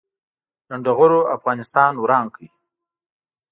لنډغرو افغانستان وران کړ